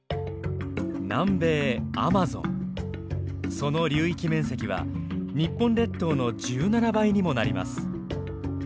その流域面積は日本列島の１７倍にもなります。